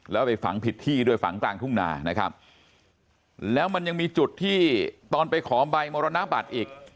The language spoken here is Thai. แล้วไปฝังผิดที่ด้วยฝังกลางทุ่งนานะครับแล้วมันยังมีจุดที่ตอนไปขอใบมรณบัตรอีก